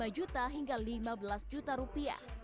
antara lima juta hingga lima belas juta rupiah